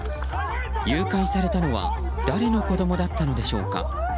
誘拐されたのは誰の子供だったのでしょうか。